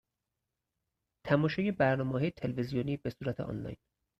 تماشای برنامه های تلویزیونی بصورت آنلاین